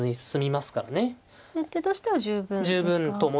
先手としては十分ですか。